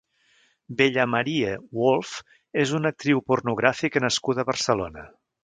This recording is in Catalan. Bella-Marie Wolf és una actriu pornogràfica nascuda a Barcelona.